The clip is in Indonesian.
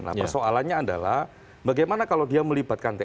nah persoalannya adalah bagaimana kalau dia melibatkan tni